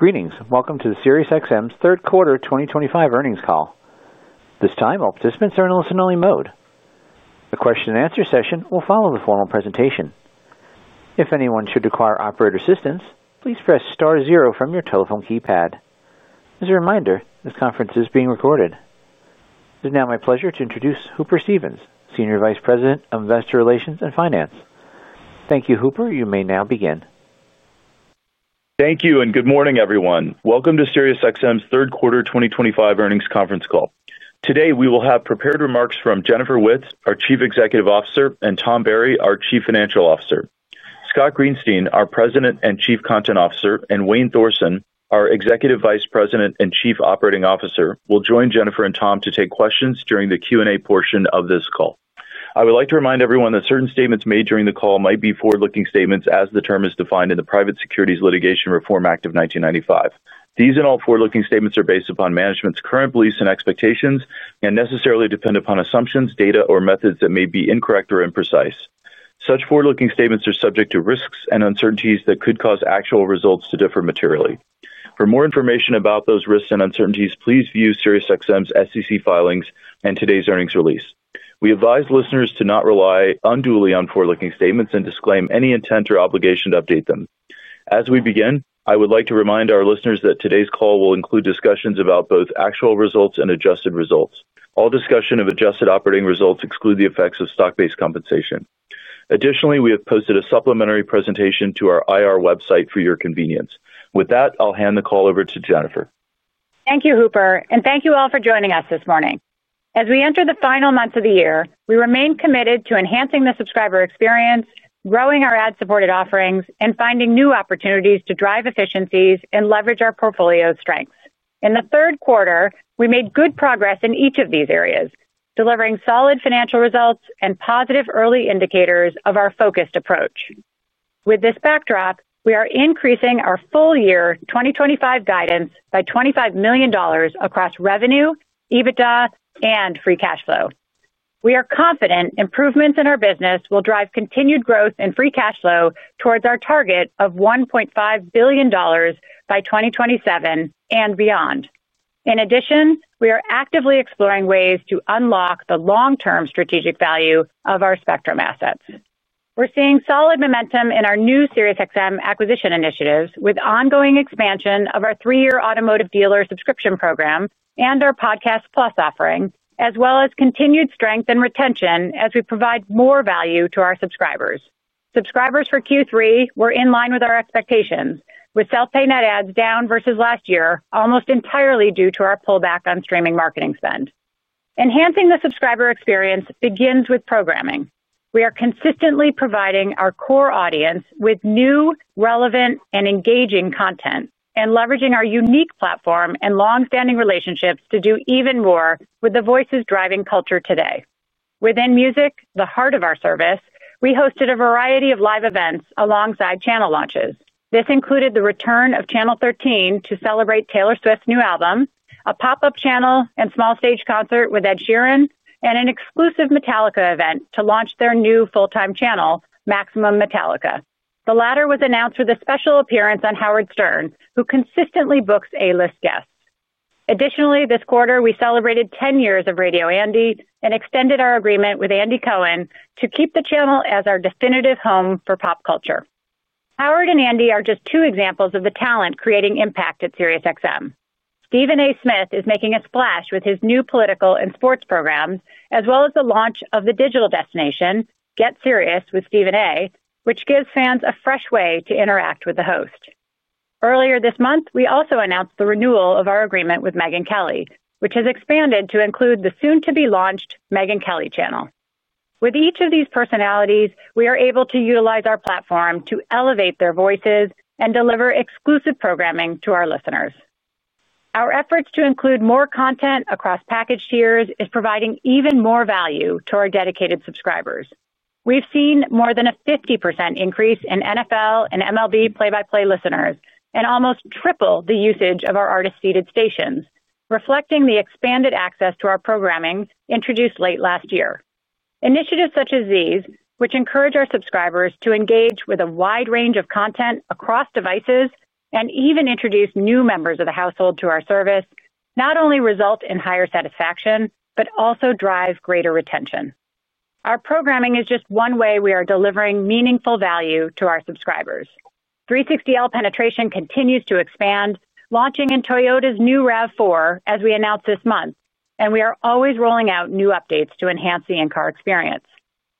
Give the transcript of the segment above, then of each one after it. Greetings. Welcome to SiriusXM's third quarter 2025 earnings call. At this time, all participants are in listen-only mode. The question-and-answer session will follow the formal presentation. If anyone should require operator assistance, please press Star zero from your telephone keypad. As a reminder, this conference is being recorded. It is now my pleasure to introduce Hooper Stevens, Senior Vice President of Investor Relations and Finance. Thank you, Hooper. You may now begin. Thank you and good morning everyone. Welcome to SiriusXM's third quarter 2025 earnings conference call. Today we will have prepared remarks from Jennifer Witz, our Chief Executive Officer, and Tom Berry, our Chief Financial Officer. Scott Greenstein, our President and Chief Content Officer, and Wayne Thorsen, our Executive Vice President and Chief Operating Officer, will join Jennifer and Tom to take questions during the Q&A portion of this call. I would like to remind everyone that certain statements made during the call might be forward-looking statements as the term is defined in the Private Securities Litigation Reform Act of 1995. These and all forward-looking statements are based upon management's current beliefs and expectations and necessarily depend upon assumptions, data, or methods that may be incorrect or imprecise. Such forward-looking statements are subject to risks and uncertainties that could cause actual results to differ materially. For more information about those risks and uncertainties, please view SiriusXM's SEC filings and today's earnings release. We advise listeners to not rely unduly on forward-looking statements and disclaim any intent or obligation to update them. As we begin, I would like to remind our listeners that today's call will include discussions about both actual results and adjusted results. All discussion of adjusted operating results exclude the effects of stock-based compensation. Additionally, we have posted a supplementary presentation to our IR website for your convenience. With that, I'll hand the call over to Jennifer. Thank you, Hooper, and thank you all for joining us this morning. As we enter the final months of the year, we remain committed to enhancing the subscriber experience, growing our ad-supported offerings, and finding new opportunities to drive efficiencies and leverage our portfolio's strengths. In the third quarter, we made good progress in each of these areas, delivering solid financial results and positive early indicators of our focused approach. With this backdrop, we are increasing our full year 2025 guidance by $25 million across revenue, Adjusted EBITDA, and free cash flow. We are confident improvements in our business will drive continued growth in free cash flow towards our target of $1.5 billion by 2027 and beyond. In addition, we are actively exploring ways to unlock the long-term strategic value of our spectrum assets. We're seeing solid momentum in our new SiriusXM acquisition initiatives with ongoing expansion of our three-year automotive dealer subscription program and our podcast plus offering, as well as continued strength and retention as we provide more value to our subscribers. Subscribers for Q3 were in line with our expectations, with self-pay net ads down versus last year almost entirely due to our pullback on streaming marketing spend. Enhancing the subscriber experience begins with programming. We are consistently providing our core audience with new, relevant, and engaging content and leveraging our unique platform and longstanding relationships to do even more with the voices driving culture today. Within music, the heart of our service, we hosted a variety of live events alongside channel launches. This included the return of Channel 13 to celebrate Taylor Swift's new album, a pop-up channel and small stage concert with Ed Sheeran, and an exclusive Metallica event to launch their new full-time channel, Maximum Metallica. The latter was announced with a special appearance on Howard Stern, who consistently books A-list guests. Additionally, this quarter we celebrated 10 years of Radio Andy and extended our agreement with Andy Cohen to keep the channel as our definitive home for pop culture. Howard and Andy are just two examples of the talent creating impact at SiriusXM. Stephen A. Smith is making a splash with his new political and sports programs, as well as the launch of the digital destination Get Serious with Stephen A., which gives fans a fresh way to interact with the host. Earlier this month we also announced the renewal of our agreement with Megyn Kelly, which has expanded to include the soon to be launched Megyn Kelly Channel. With each of these personalities, we are able to utilize our platform to elevate their voices and deliver exclusive programming to our listeners. Our efforts to include more content across package tiers is providing even more value to our dedicated subscribers. We've seen more than a 50% increase in NFL and MLB play-by-play listeners and almost triple the usage of our artist-seeded stations, reflecting the expanded access to our programming introduced late last year. Initiatives such as these, which encourage our subscribers to engage with a wide range of content across devices and even introduce new members of the household to our service, not only result in higher satisfaction but also drive greater retention. Our programming is just one way we are delivering meaningful value to our subscribers. SiriusXM 360L penetration continues to expand, launching in Toyota's new RAV4 as we announced this month, and we are always rolling out new updates to enhance the in-car experience.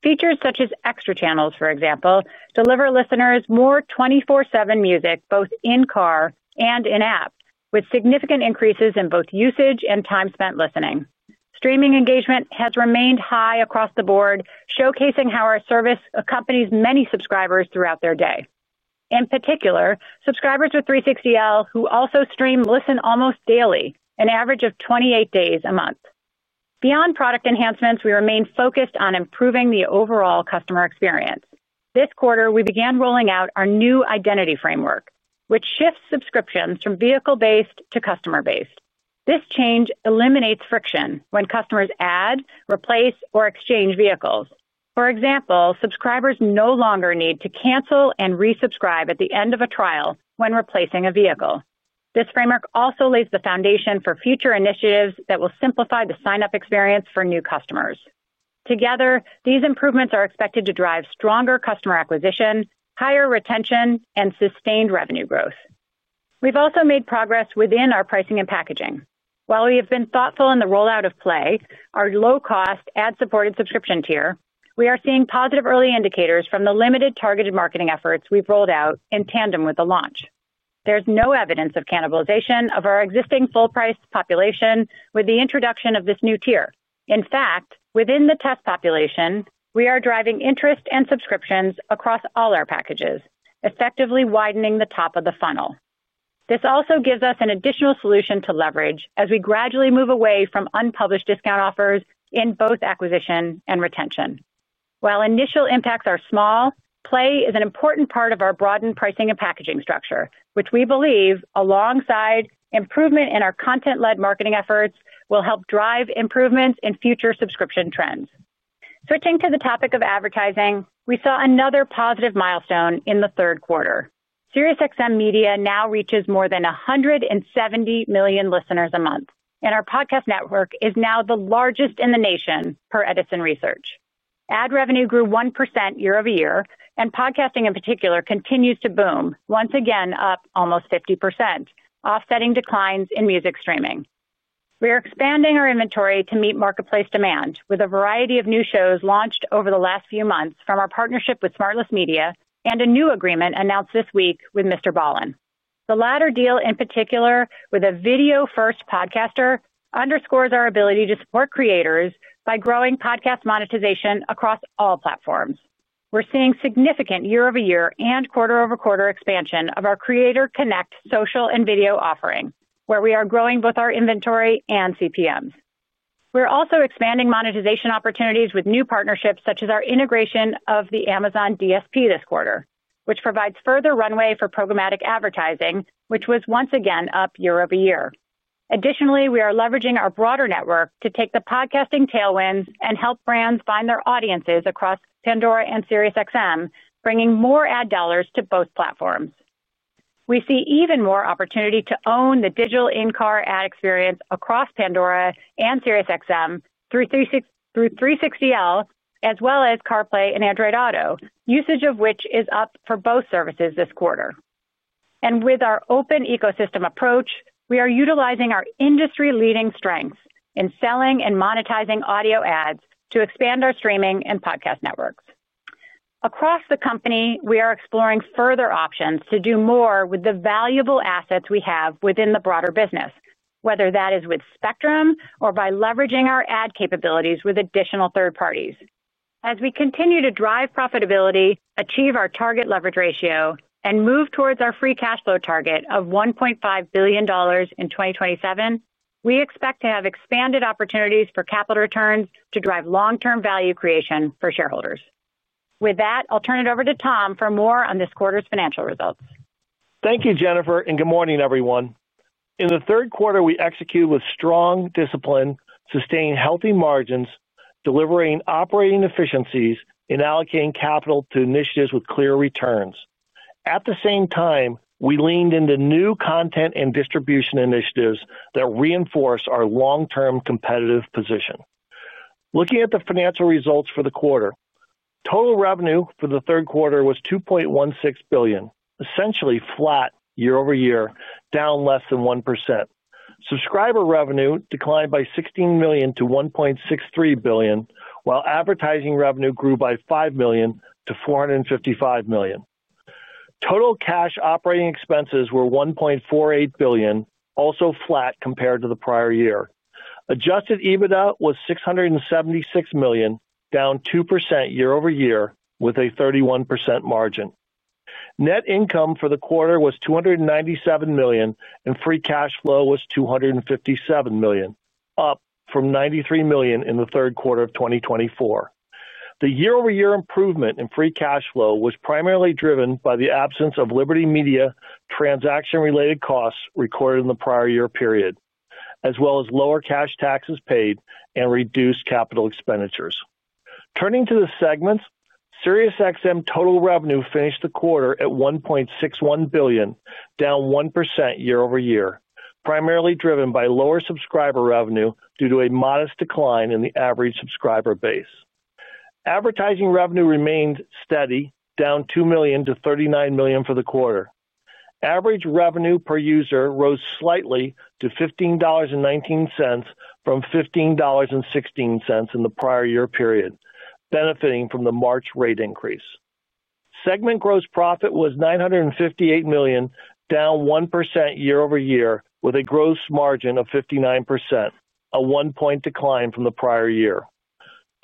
Features such as extra channels, for example, deliver listeners more 24/7 music both in-car and in-app with significant increases in both usage and time spent listening. Streaming engagement has remained high across the board, showcasing how our service accompanies many subscribers throughout their day. In particular, subscribers with SiriusXM 360L who also stream listen almost daily, an average of 28 days a month. Beyond product enhancements, we remain focused on improving the overall customer experience. This quarter we began rolling out our new customer-based identity framework, which shifts subscriptions from vehicle-based to customer-based. This change eliminates friction when customers add, replace, or exchange vehicles. For example, subscribers no longer need to cancel and resubscribe at the end of a trial when replacing a vehicle. This framework also lays the foundation for future initiatives that will simplify the signup experience for new customers. Together, these improvements are expected to drive stronger customer acquisition, higher retention, and sustained revenue growth. We've also made progress within our pricing and packaging. While we have been thoughtful in the rollout of Play, our low-cost ad-supported subscription tier, we are seeing positive early indicators from the limited targeted marketing efforts we've rolled out in tandem with the launch. There's no evidence of cannibalization of our existing full-price population with the introduction of this new tier. In fact, within the test population, we are driving interest and subscriptions across all our packages, effectively widening the top of the funnel. This also gives us an additional solution to leverage as we gradually move away from unpublished discount offers in both acquisition and retention. While initial impacts are small, Play is an important part of our broadened pricing and packaging structure, which we believe, alongside improvement in our content-led marketing efforts, will help drive improvements in future subscription trends. Switching to the topic of advertising, we saw another positive milestone in the third quarter. SiriusXM Media now reaches more than 170 million listeners a month and our podcast network is now the largest in the nation, per Edison Research. Ad revenue grew 1% year-over-year and podcasting in particular continues to boom, once again up almost 50%, offsetting declines in music streaming. We are expanding our inventory to meet marketplace demand with a variety of new shows launched over the last few months from our partnership with SmartLess Media and a new agreement announced this week with Mr. Ballin. The latter deal, in particular with a video-first podcaster, underscores our ability to support creators by growing podcast monetization across all platforms. We're seeing significant year-over-year and quarter-over-quarter expansion of our Creator Connect social and video offering, where we are growing both our inventory and CPMs. We're also expanding monetization opportunities with new partnerships such as our integration of the Amazon DSP this quarter, which provides further runway for programmatic advertising, which was once again up year-over-year. Additionally, we are leveraging our broader network to take the podcasting tailwinds and help brands find their audiences across Pandora and SiriusXM, bringing more ad dollars to both platforms. We see even more opportunity to own the digital in-car ad experience across Pandora and SiriusXM through 360L as well as CarPlay and Android Auto, usage of which is up for both services this quarter. With our open ecosystem approach, we are utilizing our industry-leading strengths in selling and monetizing audio ads to expand our streaming and podcast networks across the company. We are exploring further options to do more with the valuable assets we have within the broader business, whether that is with spectrum or by leveraging our ad capabilities with additional third parties. As we continue to drive profitability, achieve our target leverage ratio, and move towards our free cash flow target of $1.5 billion in 2027, we expect to have expanded opportunities for capital returns to drive long-term value creation for shareholders. With that, I'll turn it over to Tom for more on this quarter's financial results. Thank you, Jennifer, and good morning, everyone. In the third quarter, we executed with strong discipline, sustaining healthy margins, delivering operating efficiencies, and allocating capital to initiatives with clear returns. At the same time, we leaned into new content and distribution initiatives that reinforce our long-term competitive position. Looking at the financial results for the quarter, total revenue for the third quarter was $2.16 billion, essentially flat year-over-year, down less than 1%. Subscriber revenue declined by $16 million-$1.63 billion, while advertising revenue grew by $5 million-$455 million. Total cash operating expenses were $1.48 billion, also flat compared to the prior year. Adjusted EBITDA was $676 million, down 2% year-over-year with a 31% margin. Net income for the quarter was $297 million, and free cash flow was $257 million, up from $93 million in the third quarter of 2024. The year-over-year improvement in free cash flow was primarily driven by the absence of Liberty Media transaction-related costs recorded in the prior year period, as well as lower cash taxes paid and reduced capital expenditures. Turning to the segments, Sirius XM total revenue finished the quarter at $1.61 billion, down 1% year-over-year, primarily driven by lower subscriber revenue due to a modest decline in the average subscriber base. Advertising revenue remained steady, down $2 million-$39 million for the quarter. Average revenue per user rose slightly to $15.19 from $15.16 in the prior year period, benefiting from the March rate increase. Segment gross profit was $958 million, down 1% year-over-year with a gross margin of 59%, a 1 point decline from the prior year.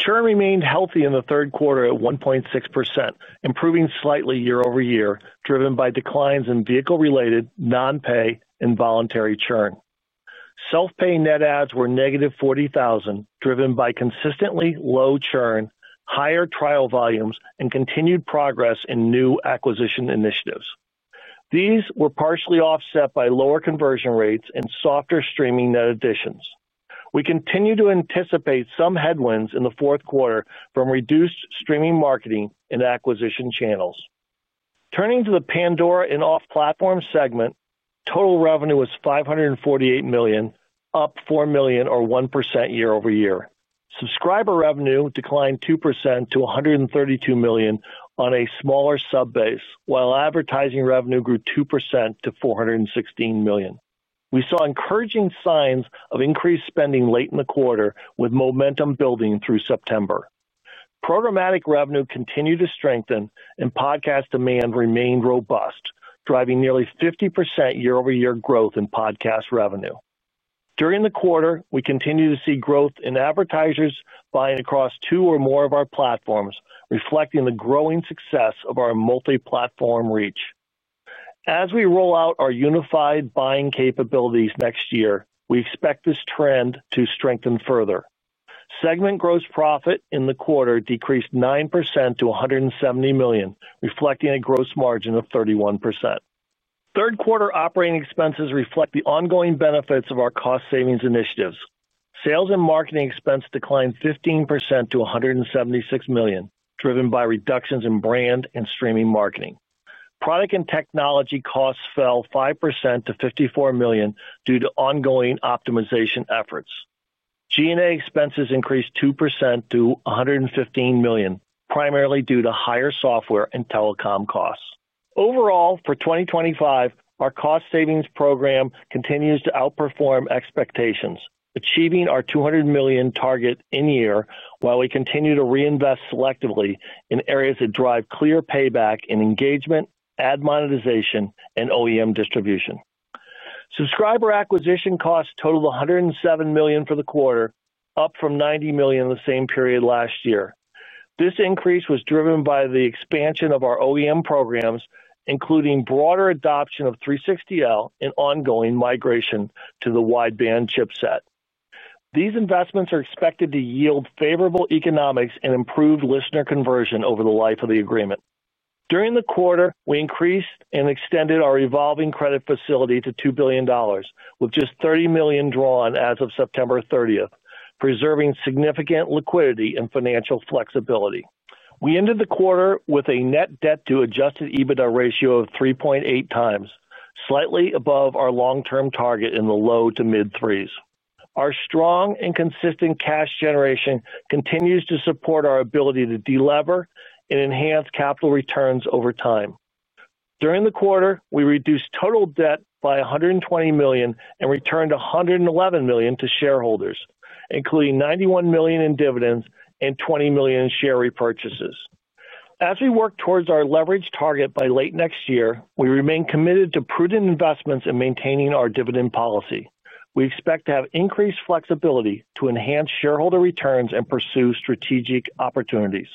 Churn remained healthy in the third quarter at 1.6%, improving slightly year-over-year, driven by declines in vehicle-related voluntary churn. Self-pay net adds were -40,000, driven by consistently low churn, higher trial volumes, and continued progress in new acquisition initiatives. These were partially offset by lower conversion rates and softer streaming net additions. We continue to anticipate some headwinds in the fourth quarter from reduced streaming marketing and acquisition channels. Turning to the Pandora and off-platform segment, total revenue was $548 million, up $4 million or 1% year-over-year. Subscriber revenue declined 2% to $132 million on a smaller sub base, while advertising revenue grew 2% to $416 million. We saw encouraging signs of increased spending late in the quarter, with momentum building through September. Programmatic revenue continued to strengthen and podcast demand remained robust, driving nearly 50% year-over-year growth in podcast revenue. During the quarter, we continued to see growth in advertisers buying across two or more of our platforms, reflecting the growing success of our multi-platform reach. As we roll out our unified buying capabilities next year, we expect this trend to strengthen further. Segment gross profit in the quarter decreased 9% to $170 million, reflecting a gross margin of 31%. Third quarter operating expenses reflect the ongoing benefits of our cost savings initiatives. Sales and Marketing expense declined 15% to $176 million, driven by reductions in brand and streaming marketing. Product and technology costs fell 5% to $54 million due to ongoing optimization efforts. G&A expenses increased 2% to $115 million, primarily due to higher software and telecom costs. Overall for 2025, our cost savings program continues to outperform expectations, achieving our $200 million target in year, while we continue to reinvest selectively in areas that drive clear payback in engagement, ad monetization, and OEM distribution. Subscriber acquisition costs totaled $107 million for the quarter, up from $90 million in the same period last year. This increase was driven by the expansion of our OEM programs, including broader adoption of SiriusXM 360L and ongoing migration to the wideband chipset. These investments are expected to yield favorable economics and improved listener conversion over the life of the agreement. During the quarter, we increased and extended our revolving credit facility to $2 billion with just $30 million drawn as of September 30th, preserving significant liquidity and financial flexibility. We ended the quarter with a net debt to Adjusted EBITDA ratio of 3.8x, slightly above our long-term target in the low to mid 3s. Our strong and consistent cash generation continues to support our ability to delever and enhance capital returns over time. During the quarter, we reduced total debt by $120 million and returned $111 million to shareholders, including $91 million in dividends and $20 million in share repurchases. As we work towards our leverage target by late next year, we remain committed to prudent investments in maintaining our dividend policy. We expect to have increased flexibility to enhance shareholder returns and pursue strategic opportunities.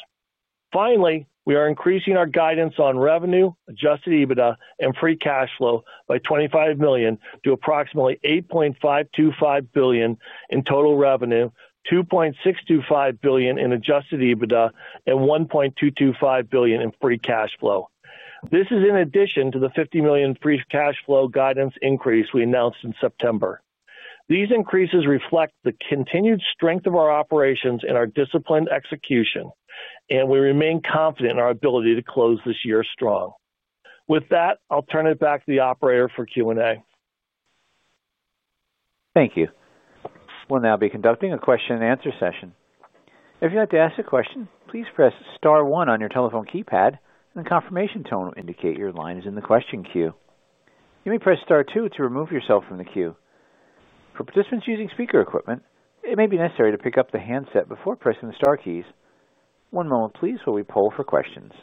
Finally, we are increasing our guidance on revenue, Adjusted EBITDA, and free cash flow by $25 million to approximately $8.525 billion in total revenue, $2.625 billion in Adjusted EBITDA, and $1.225 billion in free cash flow. This is in addition to the $50 million free cash flow guidance increase we announced in September. These increases reflect the continued strength of our operations and our disciplined execution, and we remain confident in our ability to close this year strong. With that, I'll turn it back to the operator for Q and A. Thank you. We'll now be conducting a question-and-answer session. If you'd like to ask a question, please press Star one on your telephone keypad and the confirmation tone will indicate your line is in the question queue. You may press Star two to remove yourself from the queue. For participants using speaker equipment, it may be necessary to pick up the handset before pressing the star keys. One moment please while we poll for questions.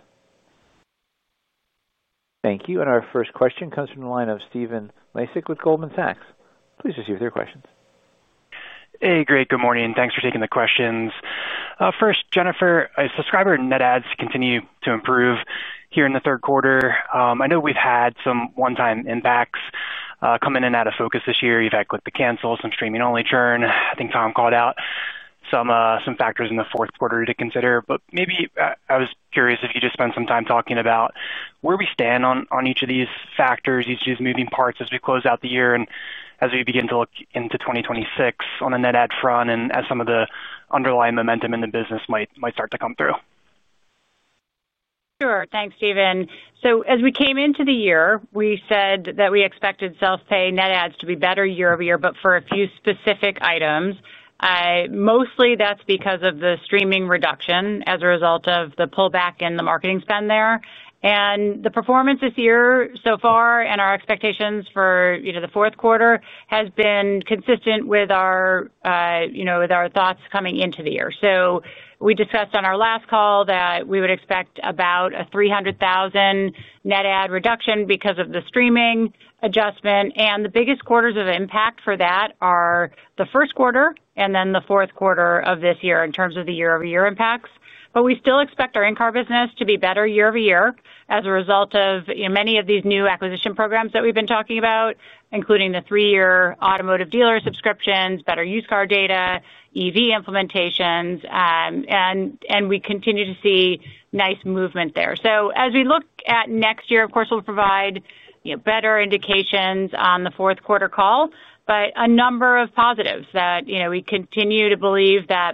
Thank you. Our first question comes from the line of Stephen Lasek with Goldman Sachs. Please receive your questions. Hey great. Good morning. Thanks for taking the questions first. Jennifer. Subscriber net adds continue to improve here in the third quarter. I know we've had some one-time impacts coming in and out of focus this year. You've had click to cancel, some streaming-only churn. I think Tom called out some factors in the fourth quarter to consider I was curious if you.ust spend some time talking about where we stand on each of these factors, each of these moving parts as we close out the year and as we begin to look into 2026 on the net add front as some of the underlying momentum in the business might start to come through. Sure. Thanks, Stephen. As we came into the year, we said that we expected self-pay net adds to be better year-over-year but for a few specific items. Mostly that's because of the streaming reduction as a result of the pullback in the marketing spend there and the performance this year so far. Our expectations for the fourth quarter have been consistent with our thoughts coming into the year. We discussed on our last call that we would expect about a 300,000 net add reduction because of the streaming adjustment. The biggest quarters of impact for that are the first quarter and then the fourth quarter of this year in terms of the year-over-year impacts. We still expect our in-car business to be better year-over-year as a result of many of these new acquisition programs that we've been talking about, including the three-year automotive dealer subscription program, better used car data, EV implementations, and we continue to see nice movement there. As we look at next year, of course, we'll provide better indications on the fourth quarter call, but a number of positives that we continue to believe that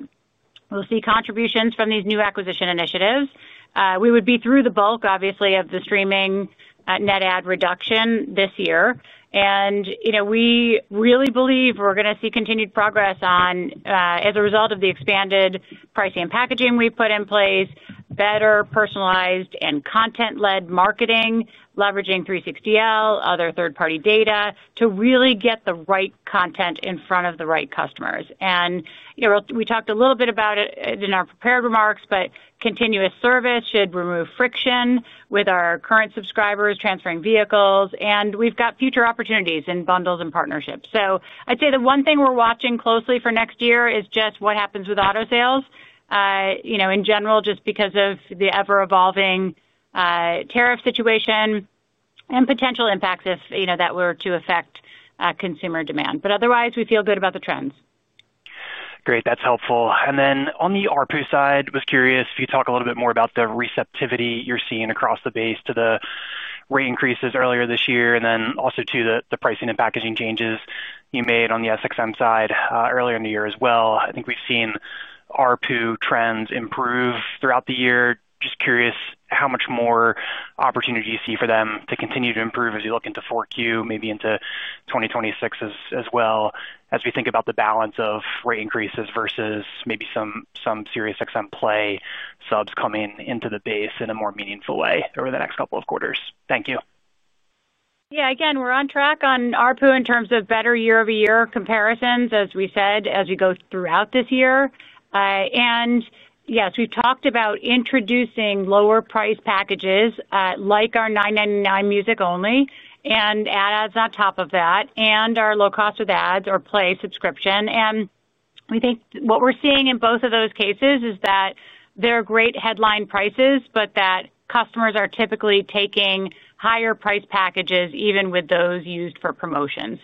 we'll see contributions from these new acquisition initiatives. We would be through the bulk, obviously, of the streaming net add reduction this year, and we really believe we're going to see continued progress as a result of the expanded pricing and packaging we put in place, better personalized and content-led marketing, leveraging SiriusXM 360L, other third-party data to really get the right content in front of the right customers. We talked a little bit about it in our prepared remarks. Continuous service should remove friction with our current subscribers transferring vehicles, and we've got future opportunities in bundles and partnerships. I'd say the one thing we're watching closely for next year is just what happens with auto sales in general, just because of the ever-evolving tariff situation and potential impacts if that were to affect consumer demand. Otherwise, we feel good about the trends. Great, that's helpful. On the ARPU side, was curious if you could talk a little bit more about the receptivity you're seeing across the base to the rate increases earlier this year, and also to the pricing and packaging changes you made on the SiriusXM side earlier in the year as well. I think we've seen ARPU trends improve throughout the year. Just curious how much more opportunity you see for them to continue to improve as you look into 4Q, maybe into 2026, as we think about the balance of rate increases versus maybe some SiriusXM Play ad-supported tier subs coming into the base in a more meaningful way. Over the next couple of quarters. Thank you. Yeah, again we're on track on ARPU in terms of better year-over year comparisons, as we said as we go throughout this year. Yes, we talked about introducing lower priced packages like our $9.99 music only and ads on top of that and our low cost with ads or Play ad-supported tier subscription. We think what we're seeing in both of those cases is that there are great headline prices, but that customers are typically taking higher price packages even with those used for promotion.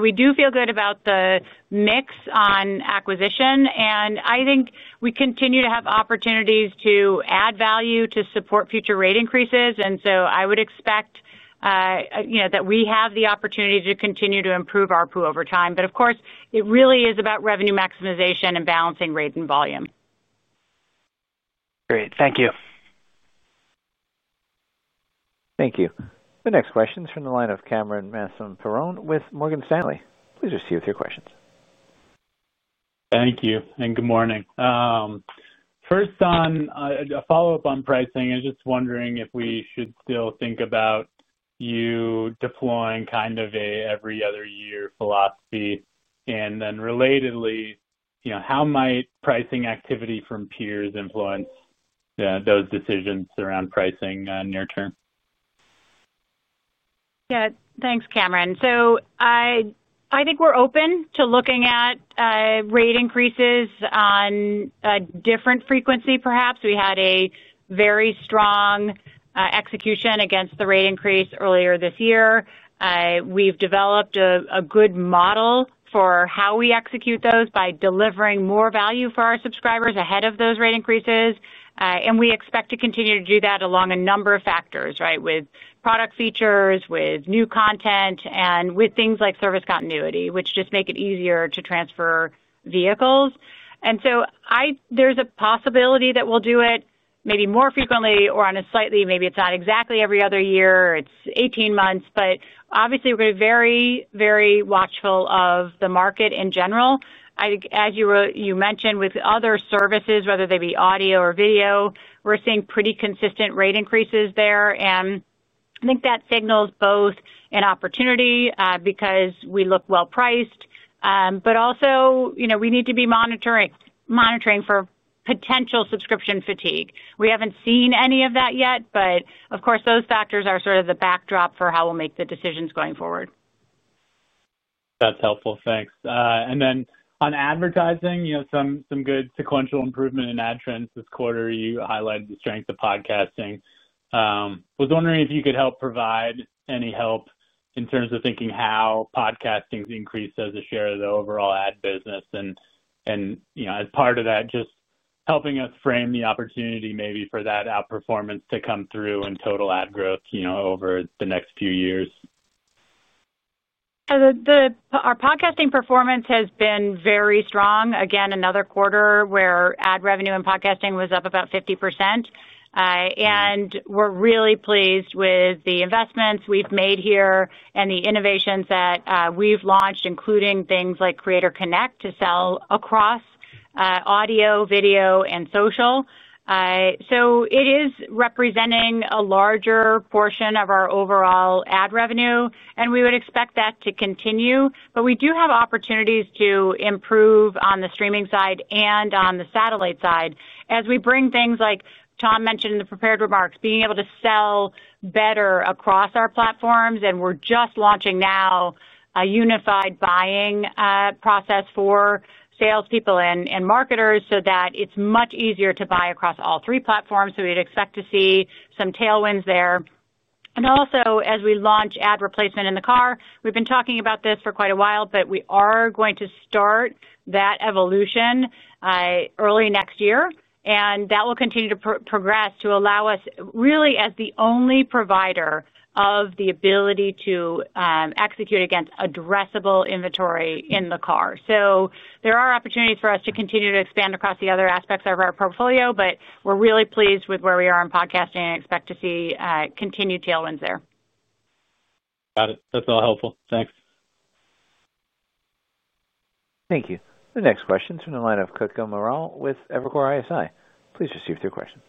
We do feel good about the mix on acquisition and I think we continue to have opportunities to add value to support future rate increases. I would expect, you know, that we have the opportunity to continue to improve ARPU over time. Of course it really is about revenue maximization and balancing rate and volume. Great, thank you. Thank you. The next question is from the line of Cameron Mansson-Perrone with Morgan Stanley. Please receive your questions. Thank you. Good morning. First, on a follow up on pricing, I was just wondering if we should still think about you deploying kind of an every other year philosophy, and then relatedly, how might pricing activity from peers influence those decisions around pricing near term? Yes. Thanks, Cameron. I think we're open to looking at rate increases on different frequency perhaps. We had a very strong execution against the rate increase earlier this year. We've developed a good model for how we execute those by delivering more value for our subscribers ahead of those rate increases. We expect to continue to do that along a number of factors, right, with product features, with new content, and with things like service continuity, which just make it easier to transfer vehicles. There's a possibility that we'll do it maybe more frequently or on a slightly, maybe it's not exactly every other year, it's 18 months. Obviously, we're very, very watchful of the market in general. I think as you mentioned, with other services, whether they be audio or video, we're seeing pretty consistent rate increases there. I think that signals both an opportunity because we look well priced, but also, you know, we need to be monitoring for potential subscription fatigue. We haven't seen any of that yet. Of course, those factors are sort of the backdrop for how we'll make the decisions going forward. That's helpful, thanks. On advertising, you know, some good sequential improvement in ad trends this quarter. You highlighted the strength of podcasting. Was wondering if you could help provide any help in terms of thinking how podcasting has increased as a share of the overall ad business. As part of that, just helping us frame the opportunity maybe for that outperformance to come through in total ad growth over the next few years. Our podcasting performance has been very strong. Again, another quarter where ad revenue in podcasting was up about 50%. We're really pleased with the investments we've made here and the innovations that we've launched, including things like Creator Connect to sell across audio, video, and social. It is representing a larger portion of our overall ad revenue, and we would expect that to continue. We do have opportunities to improve on the streaming side and on the satellite side as we bring things like Tom mentioned in the prepared remarks, being able to sell better across our platforms. We're just launching now a unified buying process for salespeople and marketers so that it's much easier to buy across all three platforms. We'd expect to see some tailwinds there, and also as we launch ad replacement in the car. We've been talking about this for quite a while, but we are going to start that evolution early next year, and that will continue to progress to allow us really as the only provider of the ability to execute against addressable inventory in the car. There are opportunities for us to continue to expand across the other aspects of our portfolio, but we're really pleased with where we are in podcasting and expect to see continued tailwinds there. Got it. That's all helpful. Thanks. Thank you. The next question is from the line of Sebastiano Petti with Evercore ISI. Please proceed with your questions.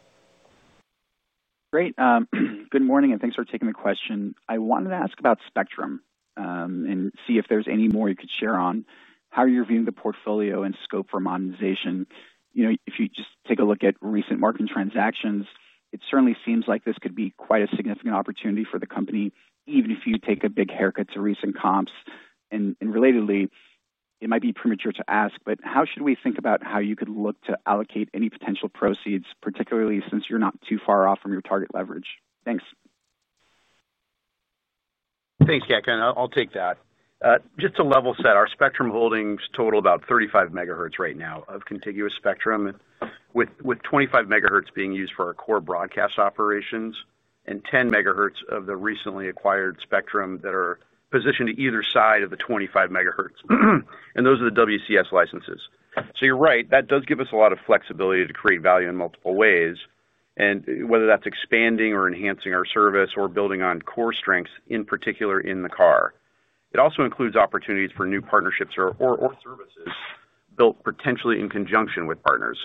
Great. Good morning and thanks for taking the question. I wanted to ask about Spectrum and see if there's any more you could share on how you're viewing the portfolio and scope for monetization. You know, if you just take a look at recent market transactions, it certainly seems like this could be quite a significant opportunity for the company, even if you take a big haircut to recent comps. Relatedly, it might be premature to ask, but how should we think about how you could look to allocate any potential proceeds, particularly since you're not too far off from your target leverage? Thanks. Thanks, Katka. I'll take that just to level set, our Spectrum holdings total about 35 MHz right now of contiguous spectrum, with 25 MHz being used for our core broadcast operations and 10 MHz of the recently acquired Spectrum that are positioned to either side of the 25 MHz, and those are the WCS licenses. You're right, that does give us a lot of flexibility to create value in multiple ways, whether that's expanding or enhancing our service or building on core strengths. In particular, in the car, it also includes opportunities for new partnerships or services built potentially in conjunction with partners.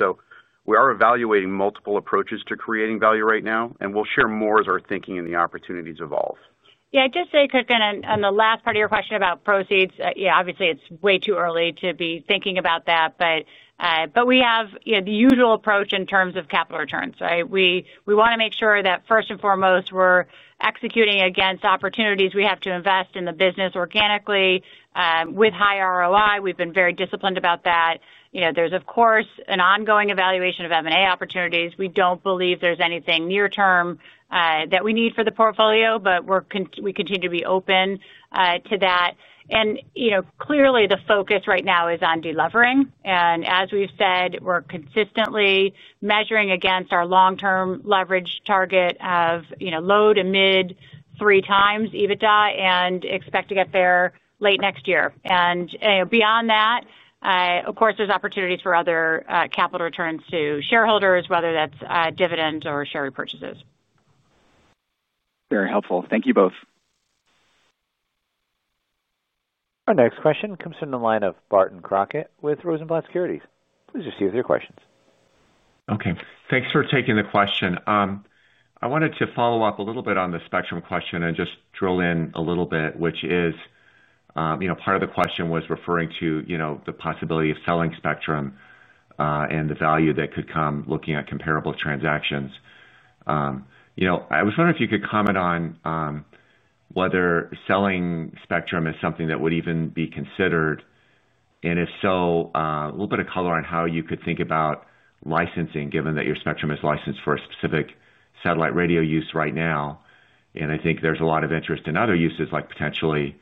We are evaluating multiple approaches to creating value right now and we'll share more as our thinking and the opportunities evolve. Yeah, just to say on the last part of your question about proceeds. Yeah, obviously it's way too early to be thinking about that, but we have the usual approach in terms of capital returns. We want to make sure that first and foremost we're executing against opportunities. We have to invest in the business organically with high ROI. We've been very disciplined about that. There's, of course, an ongoing evaluation of M&A opportunities. We don't believe there's anything near term that we need for the portfolio, but we continue to be open to that. Clearly, the focus right now is on deleveraging. As we've said, we're consistently measuring against our long-term leverage target of low to middle 3x EBITDA and expect to get there late next year. Beyond that, of course, there's opportunities for other capital returns to shareholders, whether that's dividend or share repurchases. Very helpful. Thank you both. Our next question comes from the line of Barton Crockett with Rosenblatt Securities. Please proceed with your questions. Okay, thanks for taking the question. I wanted to follow up a little. Bit on the spectrum question and just drill in a little bit. Which is part of the question was referring to the possibility of selling spectrum and the value that could come looking at comparable transactions. I was wondering if you could comment on whether selling spectrum is something that would even be considered, and if so, a little bit of color on how you could think about licensing given that your spectrum is licensed for a specific satellite radio use right now. I think there's a lot of interest in other uses like potentially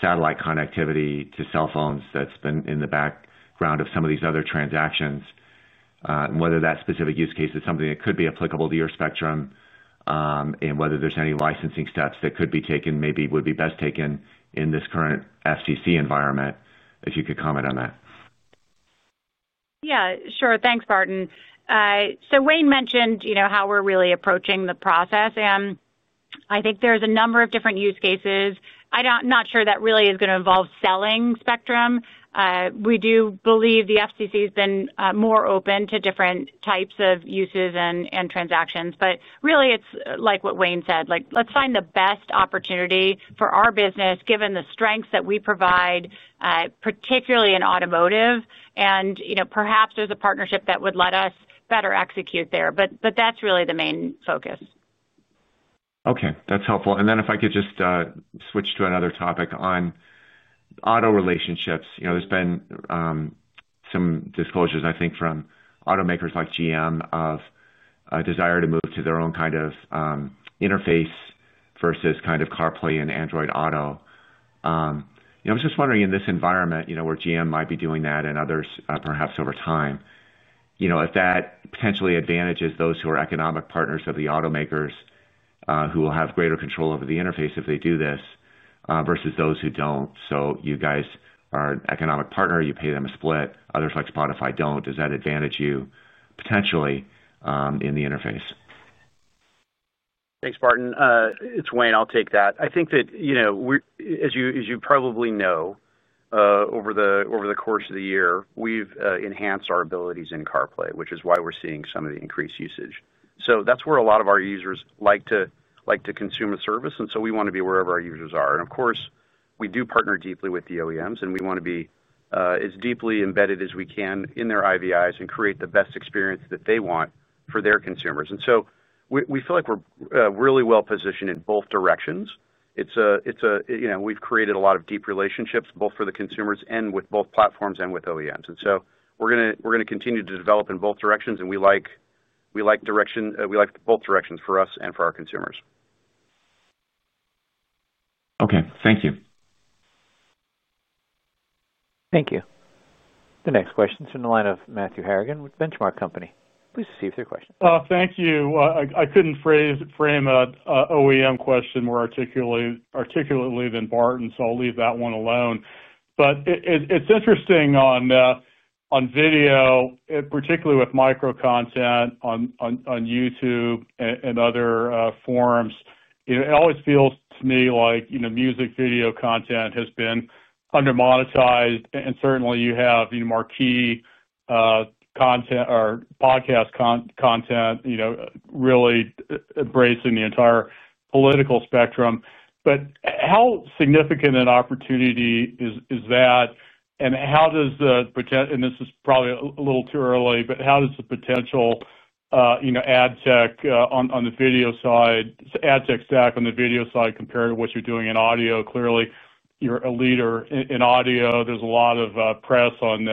satellite connectivity to cell phones that's been in the background of some of these other transactions. Whether that specific use case is something that could be applicable to your spectrum and whether there's any licensing steps that could be taken maybe would be best taken in this current FTC environment. If you could comment on that. Yeah, sure. Thanks, Barton. Wayne mentioned how we're really approaching the process, and I think there's a number of different use cases. I'm not sure that really is going to involve selling spectrum. We do believe the FCC has been more open to different types of uses and transactions. It's like what Wayne said: let's find the best opportunity for our business, given the strengths that we provide, particularly in automotive. Perhaps there's a partnership that would let us better execute there, but that's really the main focus. kay, that's helpful. If I could just switch to another topic on auto relationships. There have been some disclosures, I think, from automakers like GM of a desire to move to their own kind of interface versus CarPlay and Android Auto. I was just wondering in this environment, where GM might be doing that and others perhaps over time, if that potentially advantages those who are economic partners of the automakers who will have greater control over the interface if they do this versus those who don't. You guys are an economic partner. You pay them a split. Others, like Spotify, don't. Does that advantage you potentially in the interface? Thanks, Barton. It's Wayne. I'll take that. I think that, as you probably know, over the course of the year, we've enhanced our abilities in CarPlay, which is why we're seeing some of the increased usage. That's where a lot of our users like to consume a service. We want to be wherever our users are. Of course, we do partner deeply with the OEMs, and we want to be as deeply embedded as we can in their IVIs and create the best experience that they want for their consumers. We feel like we're really well positioned in both directions. We've created a lot of deep relationships both for the consumers and with both platforms and with OEMs. We're going to continue to develop in both directions. We like both directions for us and for our consumers. Okay, thank you. Thank you. The next question is from the line of Matthew Harrigan, Benchmark Company. Please proceed with your question. Thank you. I couldn't frame an OEM question more articulately than Barton, so I'll leave that one alone. It's interesting on video, particularly with micro content on YouTube and other forums, it always feels to me like music video content has been under monetized. You have marquee content or podcast content, you know, really embracing the entire political spectrum. How significant an opportunity is that? How does the, and this is probably a little too early, but how does the potential, you know, ad tech on the video side, ad tech stack on the video side compare to what you're doing in audio? Clearly, you're a leader in audio. There's a lot of press on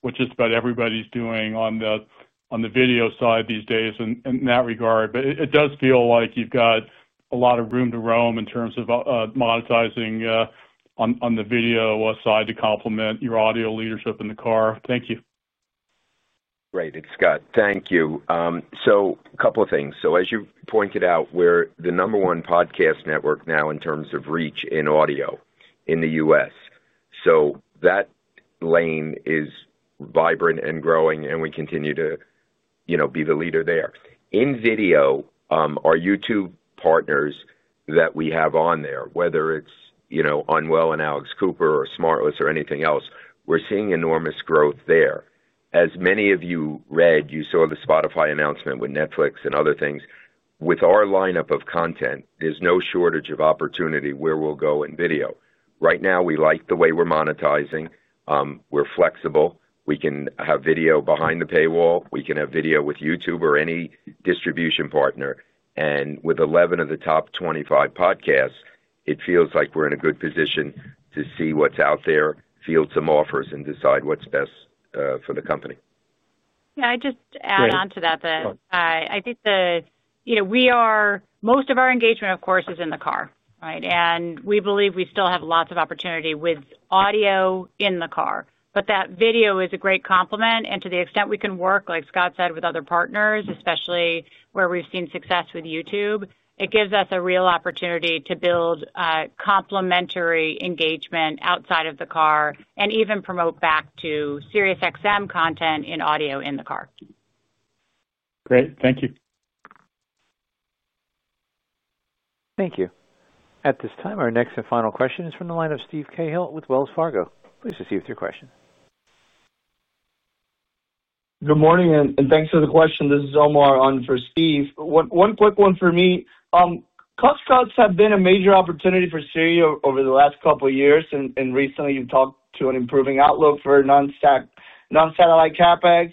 what just about everybody's doing on the video side these days in that regard. It does feel like you've got a lot of room to roam in terms of monetizing on the video side to complement your audio leadership in the car. Thank you. Great. It's Scott. Thank you. A couple of things. As you pointed out, we're the number one podcast network now in terms of reach in audio in the U.S. That lane is vibrant and growing, and we continue to be the leader there in video. Our YouTube partners that we have on there, whether it's Unwell and Alex Cooper or SmartLess or anything else, we're seeing enormous growth there. As many of you read, you saw the Spotify announcement with Netflix and other things. With our lineup of content, there's no shortage of opportunity where we'll go in video. Right now, we like the way we're monetizing. We're flexible. We can have video behind the paywall. We can have video with YouTube or any distribution partner. With 11 of the top 25 podcasts, it feels like we're in a good position to see what's out there, field some offers, and decide what's best for the company. Yeah, I'd just add on to that. I think we are, most of our engagement, of course, is in the car, right. We believe we still have lots of opportunity with audio in the car. Video is a great complement. To the extent we can work, like Scott said, with other partners, especially where we've seen success with YouTube, it gives us a real opportunity to build complementary engagement outside of the car and even promote back to SiriusXM content in audio in the car. Great.Thank you. Thank you. At this time, our next and final question is from the line of Steve Cahill with Wells Fargo. Please receive your question. Good morning and thanks for the question. This is Omar on for Steve. One quick one for me. Cost cuts have been a major opportunity for SiriusXM over the last couple years. Recently you talked to an improving outlook for non-satellite CapEx,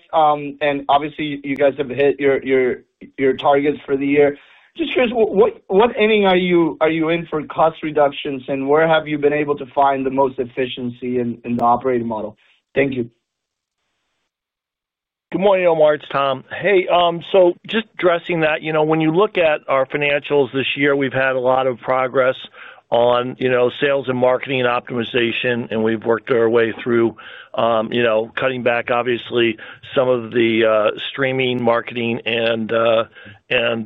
and obviously you guys have hit your targets for the year. Just curious, what inning are you in for cost reductions and where have you been able to find the most efficiency in the operating model? Thank you. Good morning, Omar, it's Tom. Hey. Just addressing that, you know, when you look at our financials this year, we've had a lot of progress on sales and marketing and optimization, and we've worked our way through cutting back. Obviously, some of the streaming marketing and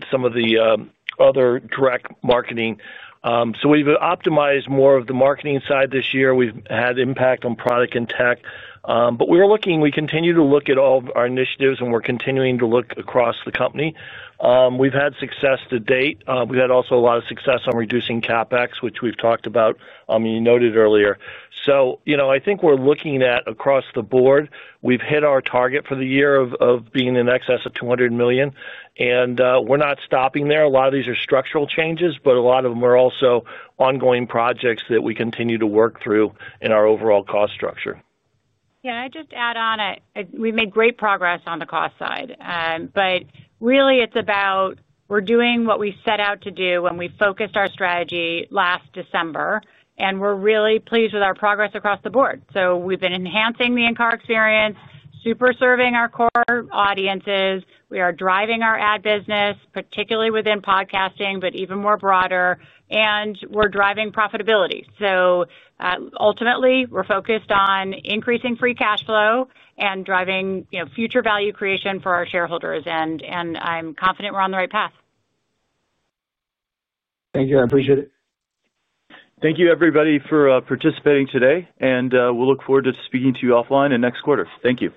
some of the other direct marketing. We've optimized more of the marketing side this year. We've had impact on product and tech, but we continue to look at all our initiatives and we're continuing to look across the company. We've had success to date. We had also a lot of success on reducing CapEx, which we've talked about, you noted earlier. I think we're looking at across the board, we've hit our target for the year of being in excess of $200 million and we're not stopping there. A lot of these are structural changes, but a lot of them are also ongoing projects that we continue to work through in our overall cost structure. Can I just add on, we made great progress on the cost side, but really it's about. We're doing what we set out to do when we focused our strategy last December, and we're really pleased with our progress across the board. We have been enhancing the in car experience, super serving our core audiences. We are driving our ad business, particularly within podcasting, but even more broader, and we're driving profitability. Ultimately, we're focused on increasing free cash flow and driving future value creation for our shareholders. I'm confident we're on the right path. Thank you. I appreciate it. Thank you, everybody, for participating today. We'll look forward to speaking to you offline and next quarter. Thank you.